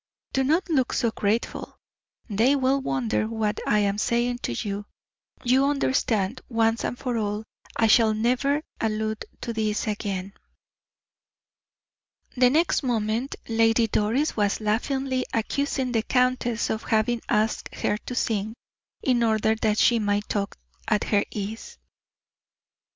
Do not look so grateful; they will wonder what I am saying to you. You understand, once and for all, I shall never allude to this again." The next moment Lady Doris was laughingly accusing the countess of having asked her to sing, in order that she might talk at her ease.